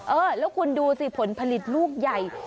เออแล้วคุณดูสิผลผลิตลูกใหญ่